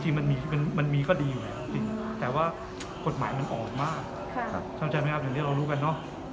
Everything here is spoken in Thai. จริงมันมีก็ดีอยู่เนี่ยแต่ว่ากฎหมายมันอ่อนมากใช่ไหมครับอย่างนี้เรารู้กันเนาะ